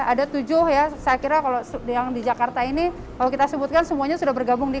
ada tujuh ya saya kira kalau yang di jakarta ini kalau kita sebutkan semuanya sudah bergabung di